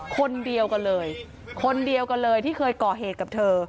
คนเดียวกันเลยคนเดียวกันเลยที่เคยก่อเหตุกับเธอ